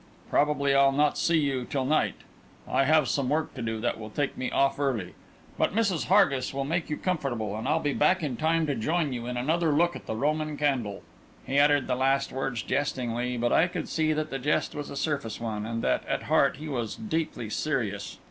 Probably I'll not see you till night; I have some work to do that will take me off early. But Mrs. Hargis will make you comfortable, and I'll be back in time to join you in another look at the Roman candle!" He uttered the last words jestingly, but I could see that the jest was a surface one, and that, at heart, he was deeply serious.